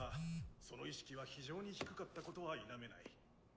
その意識は非常に低かったことは否めない。